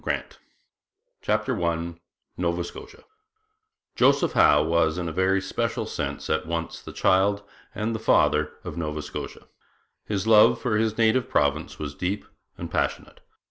CHAPTER I NOVA SCOTIA Joseph Howe was in a very special sense at once the child and the father of Nova Scotia. His love for his native province was deep and passionate.